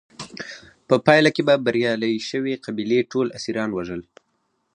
په پایله کې به بریالۍ شوې قبیلې ټول اسیران وژل.